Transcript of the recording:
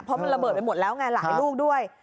เพราะมันระเบิดไปหมดแล้วไงหลายลูกด้วย